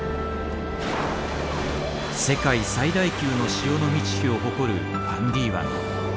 世界最大級の潮の満ち干を誇るファンディ湾。